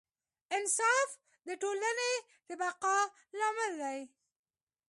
انصاف د ټولنې د بقا لامل دی.